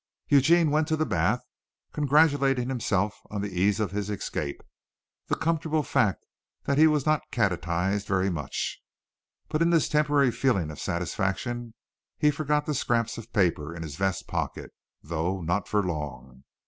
Eugene went to the bath, congratulating himself on the ease of his escape the comfortable fact that he was not catechised very much; but in this temporary feeling of satisfaction he forgot the scraps of paper in his vest pocket though not for long.